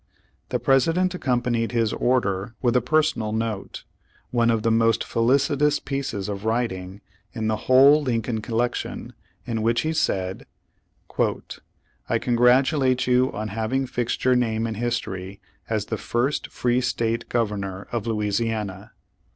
The President accompanied his order with a personal note, one of the most felicitous pieces of writing in the w^hole Lincoln collection, in which he said : "I cong'ratulate you on having fixed your name in history as the first free state Governor of Louisiana.